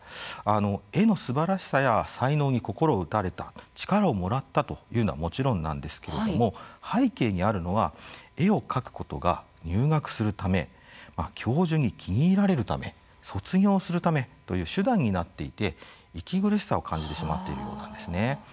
絵のすばらしさや才能に心打たれた力をもらったというのはもちろんなんですけれども背景にあるのは絵を描くことが入学するため教授に気に入られるため卒業するためという手段になっていて息苦しさを感じてしまっているようなんですね。